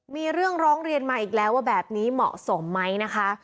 มีเรื่องร้องเรียนมาอีกแล้วว่าแบบนี้เหมาะสมไหมนะคะ